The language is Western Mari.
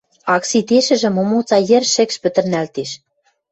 Акситешӹжӹ момоца йӹр шӹкш пӹтӹрнӓлтеш.